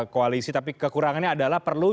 koalisi tapi kekurangannya adalah perlu